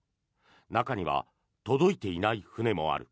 中には届いていない船もある。